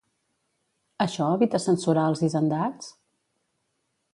Això evita censurar els hisendats?